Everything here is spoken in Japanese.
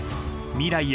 未来へ。